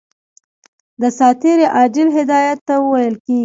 دساتیر عاجل هدایت ته ویل کیږي.